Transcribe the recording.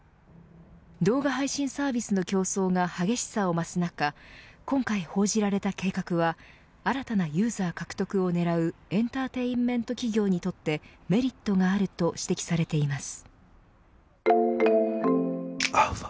動画配信サービスの競争が激しさを増す中今回報じられた計画は新たなユーザー獲得を狙うエンターテインメント企業にとってメリットがあると指摘されています。